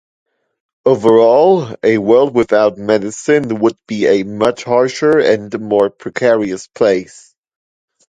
Overall, a world without medicine would be a much harsher and more precarious place.